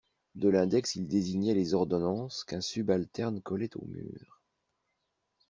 De l'index il désignait les ordonnances qu'un subalterne collait au mur.